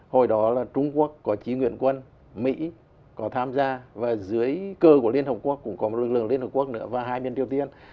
hồi đó là trung quốc có chí nguyễn quân mỹ có tham gia và dưới cơ của liên hợp quốc cũng có một lực lượng liên hợp quốc nữa và hai miền triều tiên